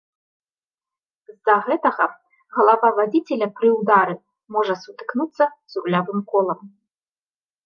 З-за гэтага галава вадзіцеля пры ўдары можа сутыкнуцца з рулявым колам.